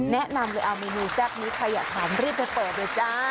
แนะนำเลยอ่ะเมนูแป๊บนี้ใครอยากทำรีบเติบด้วยจ้า